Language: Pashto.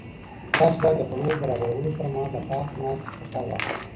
تاسو باید د خوړو د برابرولو پر مهال له پاک ماسک څخه کار واخلئ.